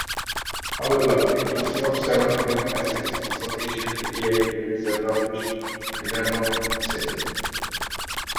However, a cluster of seven amino acids are sufficient to deactivate zebrafish melanopsin.